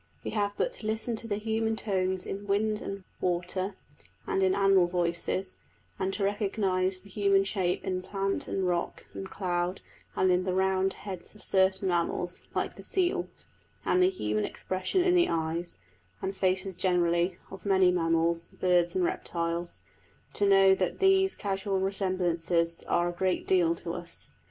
We have but to listen to the human tones in wind and water, and in animal voices; and to recognise the human shape in plant, and rock, and cloud, and in the round heads of certain mammals, like the seal; and the human expression in the eyes, and faces generally, of many mammals, birds and reptiles, to know that these casual resemblances are a great deal to us.